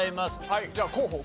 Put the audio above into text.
はいじゃあ候補。